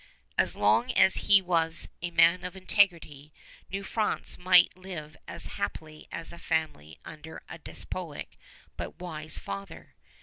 As long as he was a man of integrity, New France might live as happily as a family under a despotic but wise father.